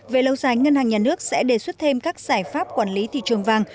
về lâu dài ngân hàng nhà nước sẽ đề xuất thêm các giải pháp quản lý thị trường vàng